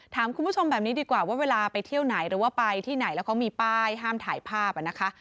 ถามคุณผู้ชมแบบนี้ดีกว่าว่าเวลาไปเที่ยวไหนหรือว่าไปที่ไหนแล้วเขามีป้ายห้ามถ่ายภาพนะคะ